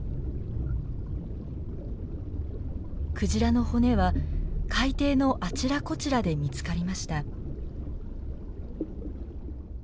クジラの骨は海底のあちらこちらで見つかりました。